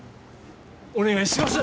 お願いします！